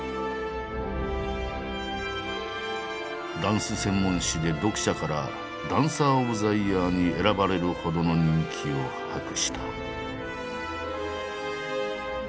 ダンス専門誌で読者から「ダンサー・オブ・ザ・イヤー」に選ばれるほどの人気を博した。